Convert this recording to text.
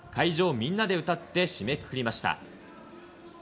みんなで歌って締めくくりました。